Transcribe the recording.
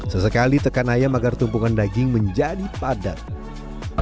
sesekali tekan ayam agar tumpukan daging menjadi padat